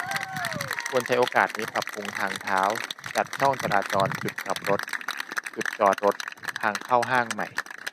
ควรใช้โอกาสนี้ ปรับปรุงทางเท้า จัดช่องจราจร-จุดกลับรถ-จุดจอดรถ-ทางเข้าห้างใหม่